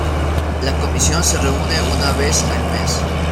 La comisión se reúne una vez al mes.